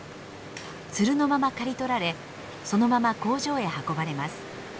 ツルのまま刈り取られそのまま工場へ運ばれます。